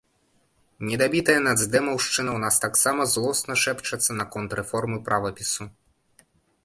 Недабітая нацдэмаўшчына ў нас таксама злосна шэпчацца наконт рэформы правапісу.